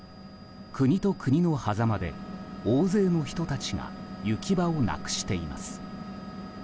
国と国のはざまで大勢の人たちが行き場をなくしています。